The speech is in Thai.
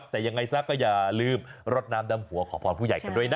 แต่ยังไงซะก็อย่าลืมรดน้ำดำหัวขอพรผู้ใหญ่กันด้วยนะ